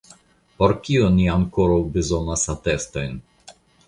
Por kio ni ankoraŭ bezonas atestojn?